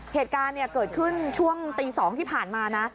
เหตุการณ์เกิดขึ้นช่วงตี๒ที่ผ่านมานะ